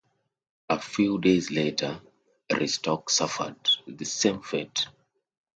A few days later, Rostock suffered the same fate.